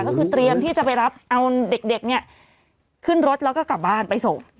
ก็คือเตรียมที่จะไปรับเอาเด็กเนี่ยขึ้นรถแล้วก็กลับบ้านไปส่ง